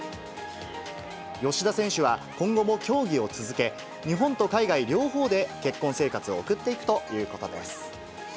吉田選手は、今後も競技を続け、日本と海外両方で結婚生活を送っていくということです。